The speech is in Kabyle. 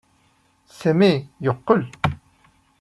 Sami yeqqel.